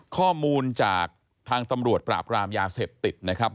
ข้อมูลจากทางตำรวจปราบรามยาเสพติดนะครับ